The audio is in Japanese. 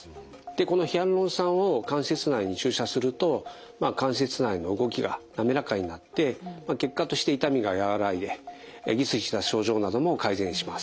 このヒアルロン酸を関節内に注射すると関節内の動きが滑らかになって結果として痛みが和らいでギスギスした症状なども改善します。